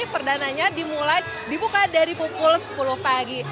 perdananya dimulai dibuka dari pukul sepuluh pagi